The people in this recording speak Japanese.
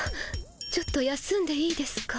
ちょっと休んでいいですか？